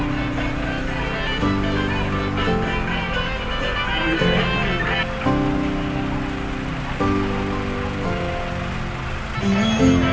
jalan jalan men